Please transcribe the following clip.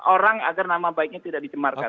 orang agar nama baiknya tidak dicemarkan